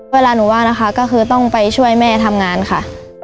เวลาหนูว่างนะคะก็คือต้องไปช่วยแม่ทำงานค่ะ